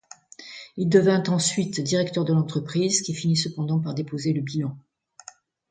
Il devient ensuite directeur de l'entreprise, qui finit cependant par déposer le bilan.